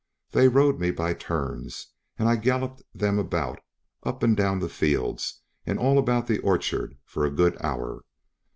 They rode me by turns, and I galloped them about, up and down the fields and all about the orchard, for a good hour.